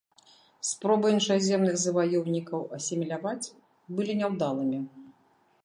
Спробы іншаземных заваёўнікаў асіміляваць былі няўдалымі.